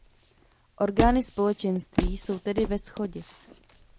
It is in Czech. Orgány Společenství jsou tedy ve shodě.